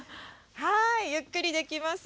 ゆっくりできます。